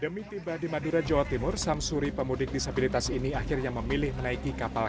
demi tiba di madura jawa timur samsuri pemudik disabilitas ini akhirnya memilih menaiki kapal